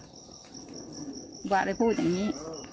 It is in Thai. ครูบ้ากำลังเลยพูดอย่างนี้